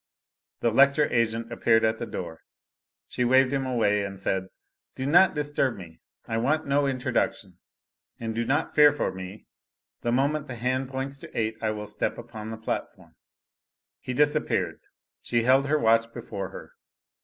The lecture agent appeared at the door. She waved him away and said: "Do not disturb me. I want no introduction. And do not fear for me; the moment the hands point to eight I will step upon the platform." He disappeared. She held her watch before her.